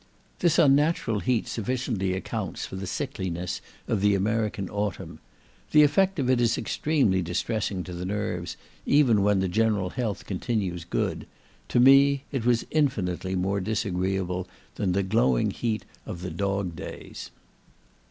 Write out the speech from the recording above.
This unnatural heat sufficiently accounts for the sickliness of the American autumn. The effect of it is extremely distressing to the nerves, even when the general health continues good; to me, it was infinitely more disagreeable than the glowing heat of the dog days.